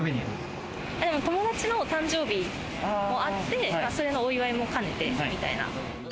友達の誕生日もあって、それのお祝いもかねてみたいな。